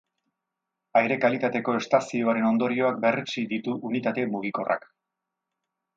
Aire kalitateko estazioaren ondorioak berretsi ditu unitate mugikorrak.